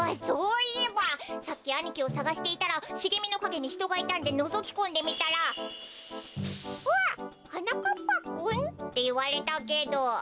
そういえばさっきあにきをさがしていたらしげみのかげにひとがいたんでのぞきこんでみたら「わっはなかっぱくん？」っていわれたけど。